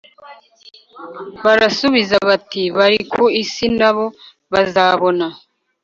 Barasubiza bati bari ku isi nabo bazabona